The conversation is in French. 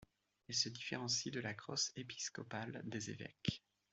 Elle se différencie de la crosse épiscopale des évêques.